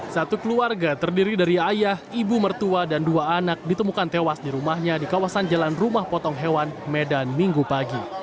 satu keluarga terdiri dari ayah ibu mertua dan dua anak ditemukan tewas di rumahnya di kawasan jalan rumah potong hewan medan minggu pagi